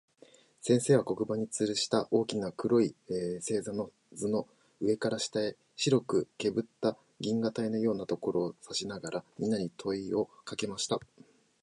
先生は、黒板に吊つるした大きな黒い星座の図の、上から下へ白くけぶった銀河帯のようなところを指さしながら、みんなに問といをかけました。